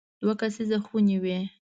دوه کسیزې خونې وې.